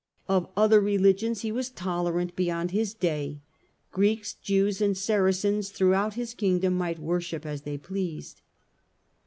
Of other religions he was tolerant beyond his day : Greeks, Jews and Saracens throughout his Kingdom might worship as they pleased.